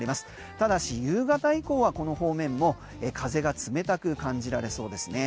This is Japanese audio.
ただし夕方以降はこの方面も風が冷たく感じられそうです。